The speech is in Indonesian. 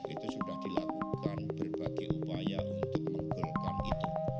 itu sudah dilakukan berbagai upaya untuk menggolkan itu